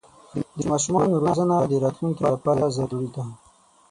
د ماشومانو روزنه د راتلونکي لپاره ضروري ده.